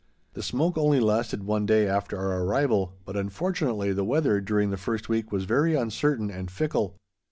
The smoke only lasted one day after our arrival, but, unfortunately, the weather during the first week was very uncertain and fickle.